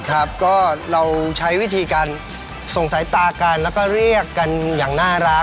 ครับก็เราใช้วิธีการส่งสายตากันแล้วก็เรียกกันอย่างน่ารัก